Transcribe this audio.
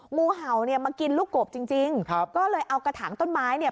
งูเห่าเนี่ยมากินลูกกบจริงจริงครับก็เลยเอากระถางต้นไม้เนี่ย